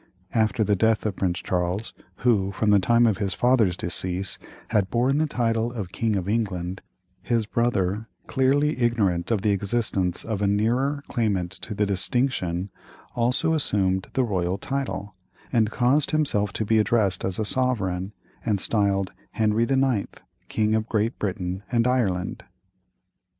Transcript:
After the death of Prince Charles, who, from the time of his father's decease, had borne the title of King of England, his brother, clearly ignorant of the existence of a nearer claimant to the distinction, also assumed the royal title, and caused himself to be addressed as a sovereign, and styled "Henry the Ninth, King of Great Britain and Ireland."